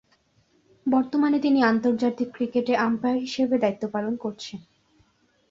বর্তমানে তিনি আন্তর্জাতিক ক্রিকেটে আম্পায়ার হিসেবে দায়িত্ব পালন করছেন।